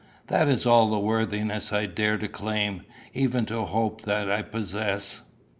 That is all the worthiness I dare to claim, even to hope that I possess."